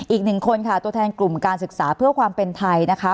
อีกหนึ่งคนค่ะตัวแทนกลุ่มการศึกษาเพื่อความเป็นไทยนะคะ